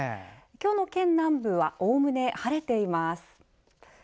今日の県南部はおおむね晴れています。